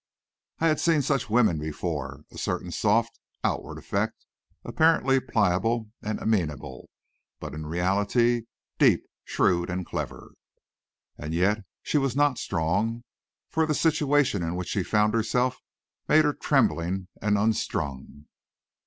I had seen such women before; of a certain soft, outward effect, apparently pliable and amenable, but in reality, deep, shrewd and clever. And yet she was not strong, for the situation in which she found herself made her trembling and unstrung.